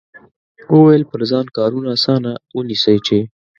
وویل پر ځان کارونه اسانه ونیسئ چې.